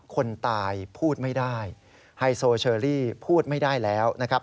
คนตายพูดไม่ได้ไฮโซเชอรี่พูดไม่ได้แล้วนะครับ